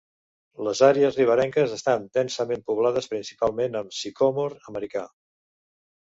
Les àrees riberenques estan densament poblades principalment amb sicòmor americà.